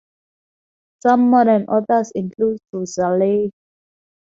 Some modern authors include Rusellae.